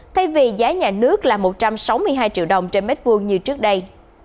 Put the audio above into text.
thay vì giá nhà nước là một trăm sáu mươi hai triệu đồng trên mét vuông như trước đây